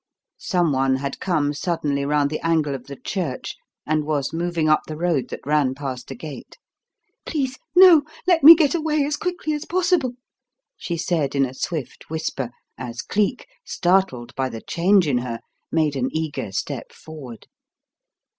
Someone had come suddenly round the angle of the church and was moving up the road that ran past the gate. "Please no let me get away as quickly as possible," she said in a swift whisper as Cleek, startled by the change in her, made an eager step forward.